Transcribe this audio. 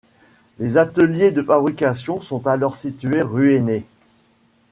Les ateliers de fabrication sont alors situés rue Henner.